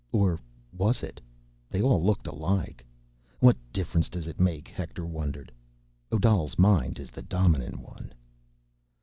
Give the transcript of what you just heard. Or was it? They all looked alike. What difference does it make? Hector wondered. _Odal's mind is the dominant one.